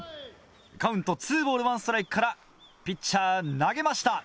カウント２ボール１ストライクからピッチャー投げました。